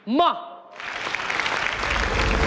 หมด